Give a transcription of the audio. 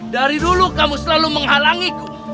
dari dulu kamu selalu menghalangiku